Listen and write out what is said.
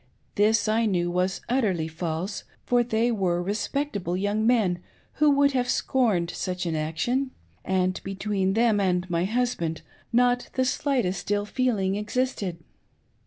This I knew was utterly false, for they were respectable young men who would have scorned such an action, and between them and my husband not the slightestili feeling existed.